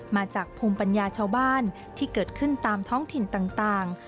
มาจากภูมิปัญญาชาวบ้านที่เกิดขึ้นตามท้องถิ่นต่าง